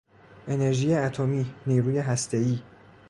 انرژی اتمی، نیروی هستهای